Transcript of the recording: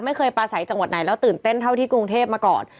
ไม่เคยปลาใสจังหวัดไหนแล้วตื่นเต้นเท่าที่กรุงเทพมาก่อน